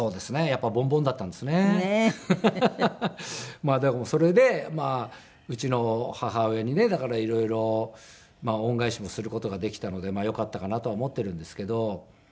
まあでもそれでうちの母親にねだから色々恩返しもする事ができたのでよかったかなとは思っているんですけど。